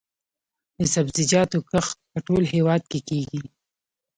د سبزیجاتو کښت په ټول هیواد کې کیږي